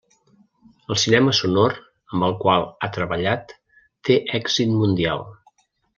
El cinema sonor amb el qual ha treballat, té èxit mundial.